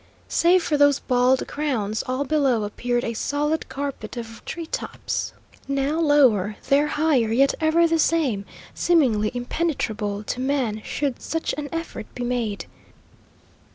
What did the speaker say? Save for those bald crowns, all below appeared a solid carpet of tree tops, now lower, there higher, yet ever the same: seemingly impenetrable to man, should such an effort be made.